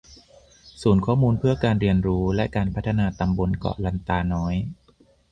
ศูนย์ข้อมูลเพื่อการเรียนรู้และการพัฒนาตำบลเกาะลันตาน้อย